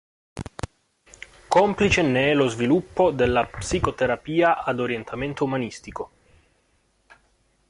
Complice ne è lo sviluppo della psicoterapia ad orientamento umanistico.